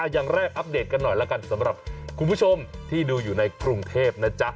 อย่างแรกอัปเดตกันหน่อยแล้วกันสำหรับคุณผู้ชมที่ดูอยู่ในกรุงเทพนะจ๊ะ